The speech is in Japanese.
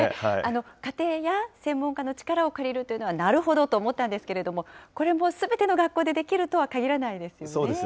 家庭や専門家の力を借りるというのは、なるほどと思ったんですけれども、これもすべての学校でできるとはかぎらないですよね。